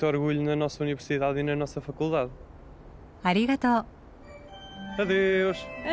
ありがとう。